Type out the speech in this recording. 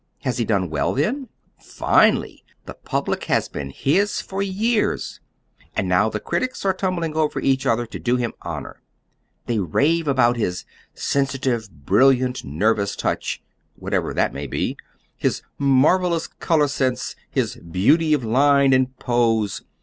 Has he done well then?" "Finely! The public has been his for years, and now the critics are tumbling over each other to do him honor. They rave about his 'sensitive, brilliant, nervous touch,' whatever that may be; his 'marvelous color sense'; his 'beauty of line and pose.'